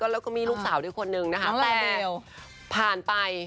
แล้วก็มีลูกสาวด้วยคนนึงนะคะแต่เบลผ่านไป